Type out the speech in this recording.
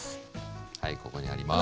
はいここにあります。